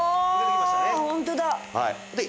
ホントだ。